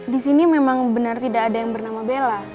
disini memang benar tidak ada yang bernama bella